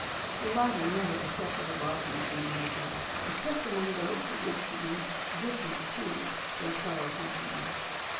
The latter never ef fected a lodgment in America except among those who wished to be "different to" their fellow country men.